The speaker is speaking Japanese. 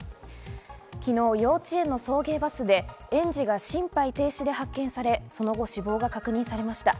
昨日、幼稚園の送迎バスで園児が心肺停止で発見され、その後死亡が確認されました。